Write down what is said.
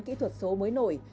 kỹ thuật số mới nổi